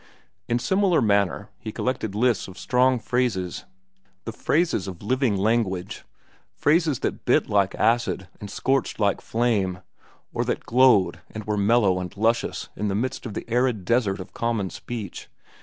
In similar manner he collected lists of strong phrases, the phrases of living language, phrases that bit like acid and scorched like flame, or that glowed and were mellow and luscious in the midst of the arid desert of common speech.